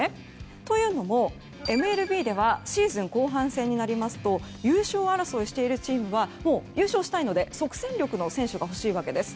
というのも、ＭＬＢではシーズン後半戦になりますと優勝争いしているチームは優勝したいので即戦力の選手が欲しいわけです。